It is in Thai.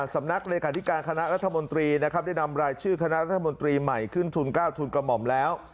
สำนักเลขาธิการคณะรัฐมนตรีนะครับได้นำรายชื่อคณะรัฐมนตรีใหม่ขึ้นทุน๙ทุนกระหม่อมแล้ว